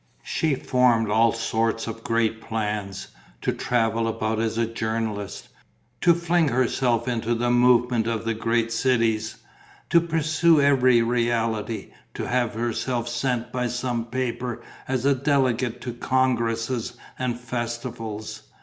She formed all sorts of great plans: to travel about as a journalist, to fling herself into the movement of the great cities, to pursue every reality, to have herself sent by some paper as a delegate to congresses and festivals.